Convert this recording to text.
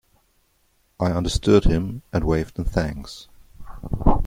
I understood him and waved in thanks.